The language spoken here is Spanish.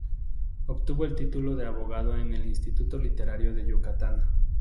Obtuvo el título de abogado en el Instituto Literario de Yucatán.